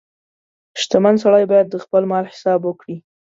• شتمن سړی باید د خپل مال حساب وکړي.